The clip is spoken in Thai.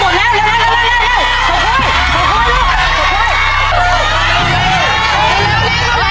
ใกล้กันหมดแล้วเร็วเร็วเร็ว